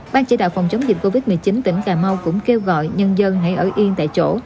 ban chỉ đạo phòng chống dịch covid một mươi chín tỉnh cà mau cũng kêu gọi nhân dân hãy ở yên tại chỗ